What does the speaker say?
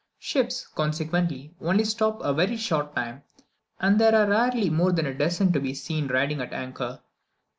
Ships, consequently, only stop a very short time, and there are rarely more than a dozen to be seen riding at anchor.